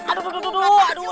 aduh aduh aduh aduh